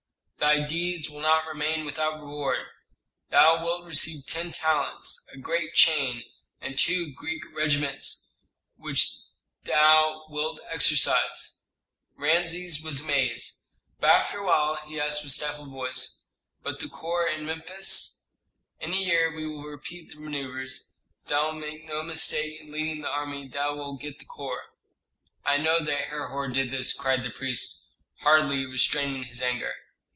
"Thy deeds will not remain without reward. Thou wilt receive ten talents, a great chain, and two Greek regiments with which thou wilt exercise." Rameses was amazed, but after a while he asked with a stifled voice, "But the corps in Memphis?" "In a year we will repeat the manœuvres, and if thou make no mistake in leading the army thou wilt get the corps." "I know that Herhor did this!" cried the prince, hardly restraining his anger.